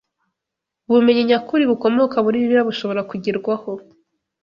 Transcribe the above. Ubumenyi nyakuri bukomoka muri Bibiliya bushobora kugerwaho